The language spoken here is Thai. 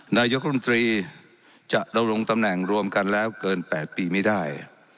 นายกรมตรีจะดำรงตำแหน่งรวมกันแล้วเกิน๘ปีไม่ได้